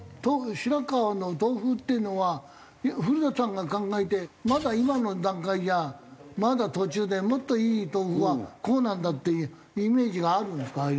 白川の豆腐っていうのは古田さんが考えてまだ今の段階じゃまだ途中でもっといい豆腐はこうなんだっていうイメージがあるんですか？